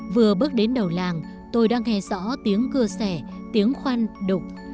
vừa bước đến đầu làng tôi đang nghe rõ tiếng cưa xẻ tiếng khoăn đụng